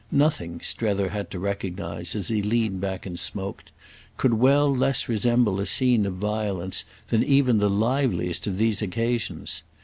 Nothing, Strether had to recognise as he leaned back and smoked, could well less resemble a scene of violence than even the liveliest of these occasions.